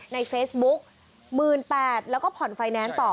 ในเฟซบุ๊ก๑๘๐๐๐แล้วก็ผ่อนไฟแนนซ์ต่อ